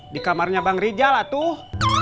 di kamarnya bang rijal lah tuh